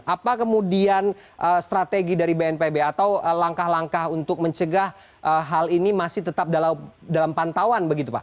apa kemudian strategi dari bnpb atau langkah langkah untuk mencegah hal ini masih tetap dalam pantauan begitu pak